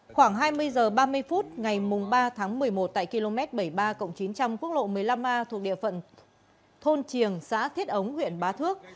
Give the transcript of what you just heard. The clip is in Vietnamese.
khoảng hai mươi h ba mươi phút ngày ba tháng một mươi một tại km bảy mươi ba chín trăm linh quốc lộ một mươi năm a thuộc địa phận thôn triềng xã thiết ống huyện bá thước